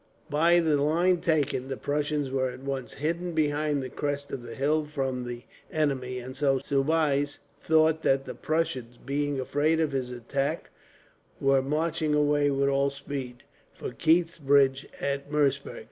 By the line taken, the Prussians were at once hidden behind the crest of the hill from the enemy; and so Soubise thought that the Prussians, being afraid of his attack, were marching away with all speed for Keith's bridge at Merseburg.